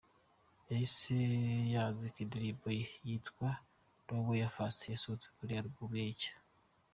Yahise yanzika n’indirimbo ye yitwa "Nowhere Fast" yasohotse kuri album ye nshya.